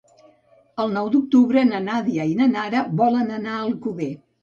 El nou d'octubre na Nàdia i na Nara volen anar a Alcover.